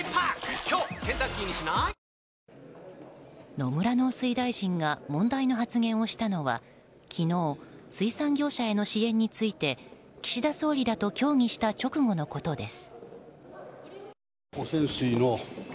野村農水大臣が問題の発言をしたのは昨日、水産業者への支援について岸田総理らと協議した直後のことです。